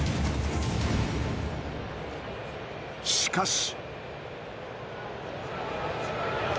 しかし。